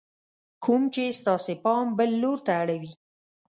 کوم چې ستاسې پام بل لور ته اړوي :